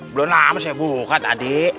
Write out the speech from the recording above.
belum lama saya buka tadi